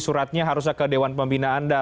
suratnya harusnya ke dewan pembina anda